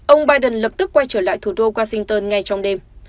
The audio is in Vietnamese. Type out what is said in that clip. ông biden lập tức quay trở lại thủ đô washington ngay trong đêm